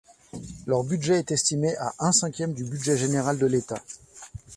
Leurs budget est estimé à un cinquième du Budget général de l'État.